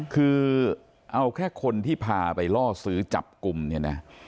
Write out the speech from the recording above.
คือเอาแค่คนที่พาไปล่อซื้อจับกลุ่มเนี่ยนะ